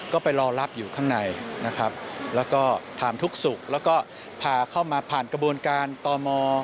ก็ไปรอรับอยู่ข้างในนะครับแล้วก็ถามทุกศุกร์แล้วก็พาเข้ามาผ่านกระบวนการต่อมอ